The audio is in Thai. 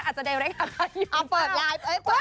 อาจจะได้แรคอะไรอยู่หรือเปล่า